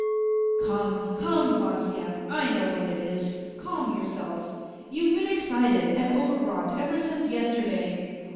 ..."" Come, come, Vasya. 1 know what it is. Calm yourself. You've been excited, and overwrought ever since yesterday.